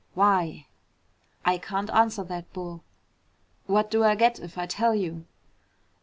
"Why?" "I can't answer that, Bull." "What do I get if I tell you?"